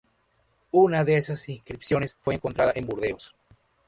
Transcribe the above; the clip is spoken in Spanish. Una de esas inscripciones fue encontrada en Burdeos.